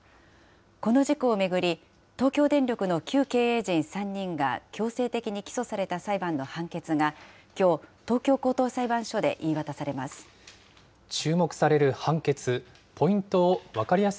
この事故を巡り、東京電力の旧経営陣３人が強制的に起訴された裁判の判決が、きょう、東京高等裁判所で言い渡されます。